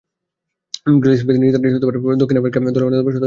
Graeme স্মিথের নেতৃত্বাধীন দক্ষিণ Africa দলের অন্যতম সদস্য ছিলেন তিনি।